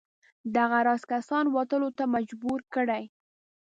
دغه راز کسان وتلو ته مجبور کړي.